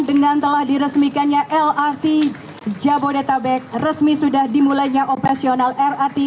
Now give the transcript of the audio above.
dengan telah diresmikannya lrt jabodetabek resmi sudah dimulainya operasional lrt